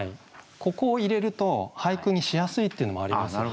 ここを入れると俳句にしやすいっていうのもありますよ。